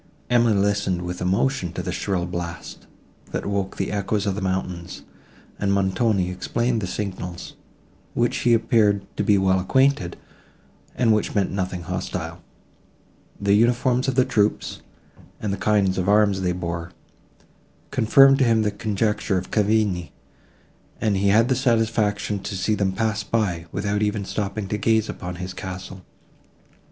Emily listened with emotion to the shrill blast, that woke the echoes of the mountains, and Montoni explained the signals, with which he appeared to be well acquainted, and which meant nothing hostile. The uniforms of the troops, and the kind of arms they bore, confirmed to him the conjecture of Cavigni, and he had the satisfaction to see them pass by, without even stopping to gaze upon his castle.